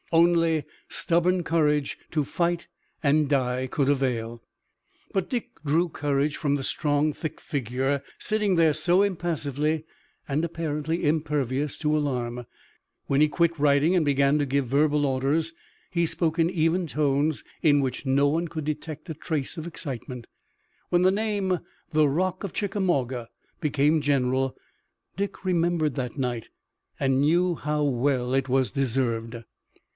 Only stubborn courage to fight and die could avail. But Dick drew courage from the strong, thick figure sitting there so impassively and apparently impervious to alarm. When he quit writing and began to give verbal orders, he spoke in even tones, in which no one could detect a trace of excitement. When the name, "The Rock of Chickamauga," became general, Dick remembered that night and knew how well it was deserved.